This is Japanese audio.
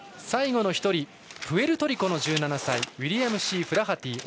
最後の１人プエルトリコの１７歳ウィリアムシー・フラハティ。